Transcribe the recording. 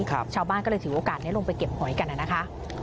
ชาวบ้านก็เลยถือโอกาสนี้ลงไปเก็บหอยกันน่ะนะคะ